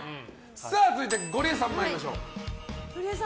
続いて、ゴリエさん参りましょう。